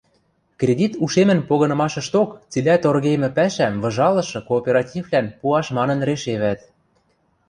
Кредит ушемӹн погынымашышток цилӓ торгейӹмӹ пӓшӓм выжалышы кооперативлӓн пуаш манын решевӓт